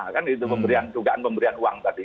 kan itu dugaan pemberian uang tadi